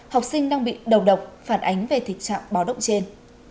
học sinh đang bị đầu độc phản ánh về thực trạng báo động trên